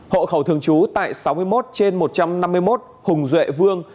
hộ khẩu thường trú tại sáu mươi một trên một trăm năm mươi một hùng duệ vương